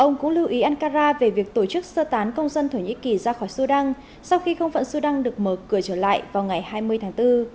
ông cũng lưu ý ankara về việc tổ chức sơ tán công dân thổ nhĩ kỳ ra khỏi sudan sau khi không phận sudan được mở cửa trở lại vào ngày hai mươi tháng bốn